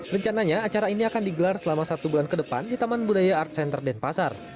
rencananya acara ini akan digelar selama satu bulan ke depan di taman budaya art center denpasar